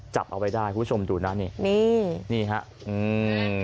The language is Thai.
จับเอาไว้ได้คุณผู้ชมดูนะนี่นี่นี่ฮะอืม